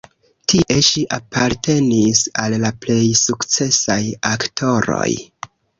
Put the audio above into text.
Tie ŝi apartenis al la plej sukcesaj aktoroj.